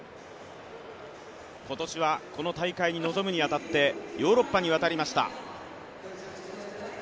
今年はこの大会に臨むに当たってヨーロッパに渡りました。